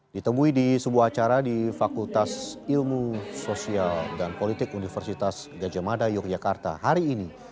ditemui di sebuah acara di fakultas ilmu sosial dan politik universitas gajah mada yogyakarta hari ini